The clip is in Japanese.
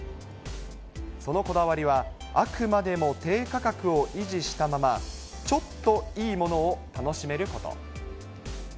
そのこだわりは、あくまでも低価格を維持したまま、ちょっといいものを楽しめること。